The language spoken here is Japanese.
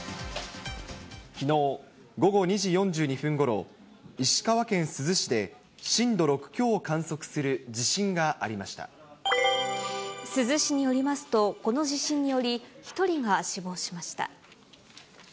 きのう午後２時４２分ごろ、石川県珠洲市で、震度６強を観測珠洲市によりますと、この地震により、１人が死亡しました。